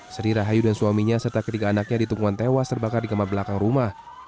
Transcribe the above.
sri rahayu dan suaminya serta ketiga anaknya ditemukan tewas terbakar di kamar belakang rumah